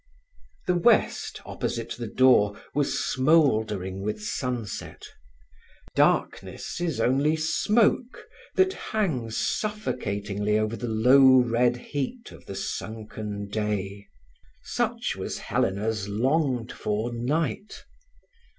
The west opposite the door was smouldering with sunset. Darkness is only smoke that hangs suffocatingly over the low red heat of the sunken day. Such was Helena's longed for night.